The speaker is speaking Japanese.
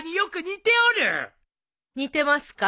似てますか？